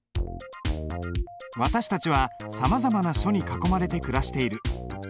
私たちはさまざまな書に囲まれて暮らしている。